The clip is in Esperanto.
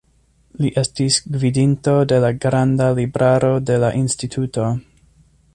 Li estis gvidinto de la granda libraro de la instituto.